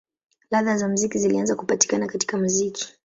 Ladha za muziki zilianza kupatikana katika muziki.